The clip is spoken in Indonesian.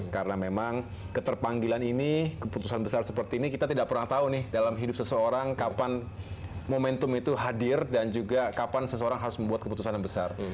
karena memang keterpanggilan ini keputusan besar seperti ini kita tidak pernah tahu nih dalam hidup seseorang kapan momentum itu hadir dan juga kapan seseorang harus membuat keputusan yang besar